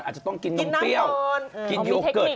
อาจจะต้องกินนมเปรี้ยวกินโยเกิร์ต